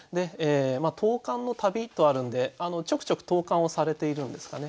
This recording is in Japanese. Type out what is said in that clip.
「投函のたび」とあるんでちょくちょく投函をされているんですかね。